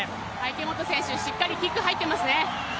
池本選手、しっかりキック入っていますね。